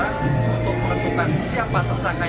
dan perkembangan dosdan untuk menentukan siapa tersangka petrol